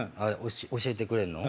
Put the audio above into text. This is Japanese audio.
教えてくれんの？